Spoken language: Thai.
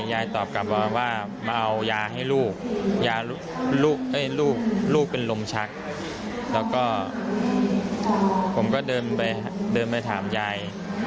ยายตอบกลับมาว่ามาเอายาให้ลูกลูกเป็นลมชักแล้วก็ผมก็เดินไปเดินไปถามยาย